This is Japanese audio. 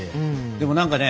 でも何かね